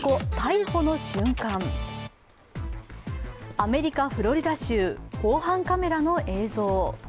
アメリカ・フロリダ州、防犯カメラの映像。